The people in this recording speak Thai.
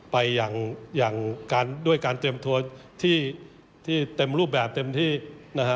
ไปอย่างการด้วยการเตรียมตัวที่เต็มรูปแบบเต็มที่นะฮะ